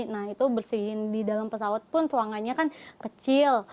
nah itu bersihin di dalam pesawat pun ruangannya kan kecil